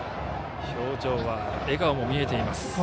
表情は笑顔も見えています。